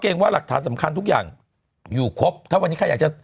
ว่าหลักฐานสำคัญทุกอย่างอยู่ครบถ้าวันนี้ใครอยากจะ